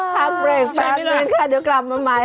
ให้เบรกแป๊บนึงข้าจะกลับมาใหม่